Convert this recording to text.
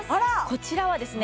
こちらはですね